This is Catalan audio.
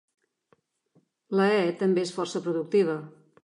La e també és força productiva.